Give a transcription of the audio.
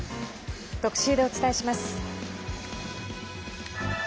特集でお伝えします。